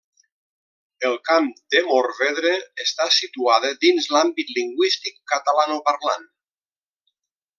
El Camp de Morvedre està situada dins l'àmbit lingüístic catalanoparlant.